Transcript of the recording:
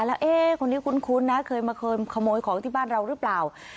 แล้วคนนี้คุ้นนะเคยมาเคยขโมยของที่บ้านเราหรือเปล่า